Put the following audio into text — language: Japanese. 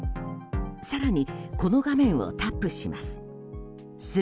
更に、この画面をタップします。